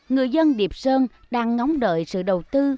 người dân điệp sơn đang ngóng đợi sự đầu tư